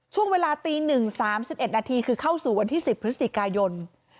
ช่วงเวลาตี๑๓๑นาทีคือเข้าสู่วันที่๑๐พฤศจิกายน